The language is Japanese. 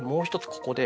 ここで。